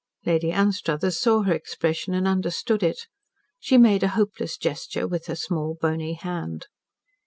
Lady Anstruthers saw her expression and understood it. She made a hopeless gesture with her small, bony hand.